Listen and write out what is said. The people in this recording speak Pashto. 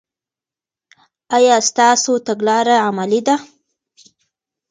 آیا ستاسو تګلاره عملي ده؟